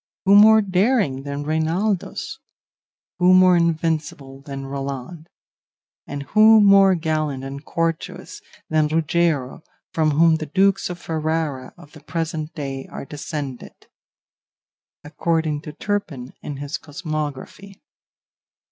Who more daring than Reinaldos? Who more invincible than Roland? and who more gallant and courteous than Ruggiero, from whom the dukes of Ferrara of the present day are descended, according to Turpin in his 'Cosmography.